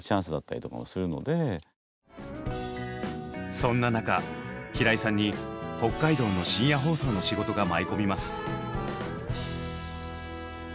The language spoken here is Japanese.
そんな中平井さんに北海道の深夜放送の仕事が舞い込みます。